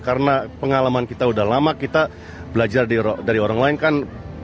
karena pengalaman kita udah lama kita belajar dari orang lain kan